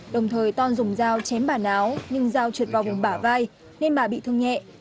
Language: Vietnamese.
đồng thời ton dùng dao chém bà áo nhưng dao trượt vào vùng bả vai nên bà bị thương nhẹ